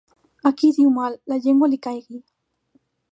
A qui diu mal, la llengua li caigui.